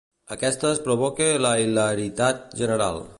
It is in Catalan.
Aquestes provoque la hilaritat general.